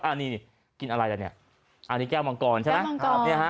อันนี้กินอะไรอันนี้อันนี้แก้วมังกรใช่ไหมแก้วมังกร